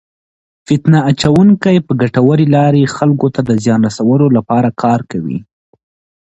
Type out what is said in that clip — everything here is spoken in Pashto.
فتنه اچونکي په ګټورې لارې خلکو ته د زیان رسولو لپاره کار کوي.